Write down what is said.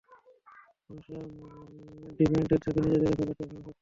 মানুষরা ডিভিয়েন্টদের থেকে নিজেদের রক্ষা করতে এখনও সক্ষম না।